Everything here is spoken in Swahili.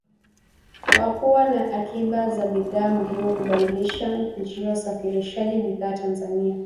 wa kuwa na akiba ya bidhaa muhimu na kubadilisha njia usafarishaji bidhaa Tanzania